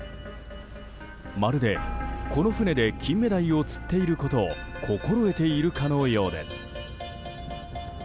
まるで、この船でキンメダイを釣っていることを心得ているかのようです。